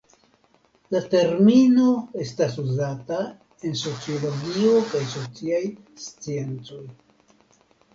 La termino estas uzata en sociologio kaj sociaj sciencoj.